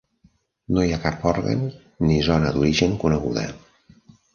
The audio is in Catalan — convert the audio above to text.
No hi ha cap òrgan ni zona d'origen coneguda.